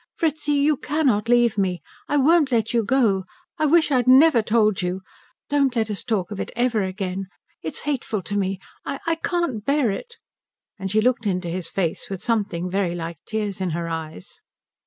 Fritzi, you cannot leave me. I won't let you go. I wish I had never told you. Don't let us talk of it ever again. It is hateful to me. I I can't bear it." And she looked into his face with something very like tears in her eyes.